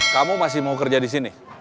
kamu masih mau kerja di sini